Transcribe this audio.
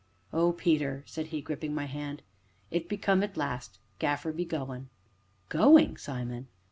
"Oh, Peter!" said he, gripping my hand, "it be come at last Gaffer be goin'." "Going, Simon?"